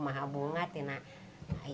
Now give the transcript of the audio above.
saya juga mengatakan